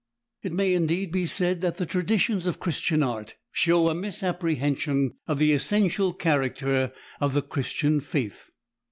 It may, indeed, be said that the traditions of Christian art show a misapprehension of the essential character of the Christian faith.